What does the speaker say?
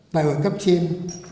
đại hội cấp trên